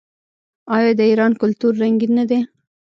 آیا د ایران کلتور رنګین نه دی؟